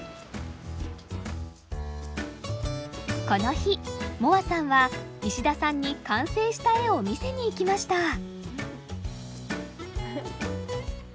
この日望和さんは石田さんに完成した絵を見せにいきました。